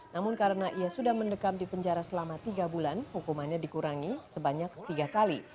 namun karena ia sudah mendekam di penjara selama tiga bulan hukumannya dikurangi sebanyak tiga kali